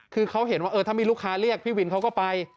คือเขาเห็นว่าถ้ามีลูกค้าเรียกพี่วินเขาก็ไป